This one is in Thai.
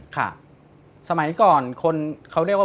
ค่ะสมัยก่อนคนเขาเรียกว่า